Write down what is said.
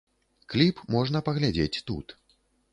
Кліп можна паглядзець тут.